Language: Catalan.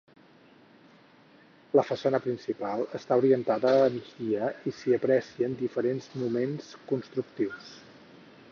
La façana principal està orientada a migdia i s'hi aprecien diferents moments constructius.